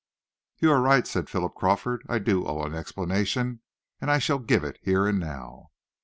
"You are right," said Philip Crawford. "I do owe an explanation, and I shall give it here and now."